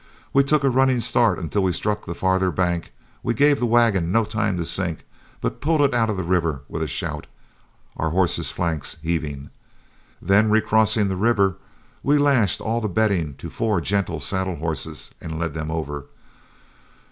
We took a running start, and until we struck the farther bank we gave the wagon no time to sink, but pulled it out of the river with a shout, our horses' flanks heaving. Then recrossing the river, we lashed all the bedding to four gentle saddle horses and led them over.